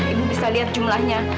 ibu bisa lihat jumlahnya